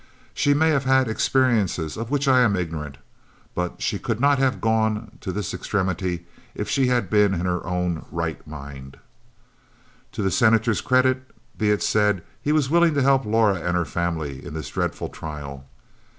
She may have had experiences of which I am ignorant, but she could not have gone to this extremity if she had been in her own right mind." To the Senator's credit be it said, he was willing to help Laura and her family in this dreadful trial.